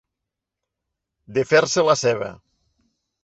De fer-se-la seva.